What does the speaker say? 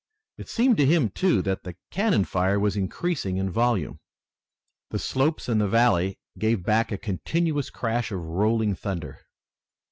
It seemed to him, too, that the cannon fire was increasing in volume. The slopes and the valley gave back a continuous crash of rolling thunder.